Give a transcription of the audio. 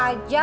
mau tau aja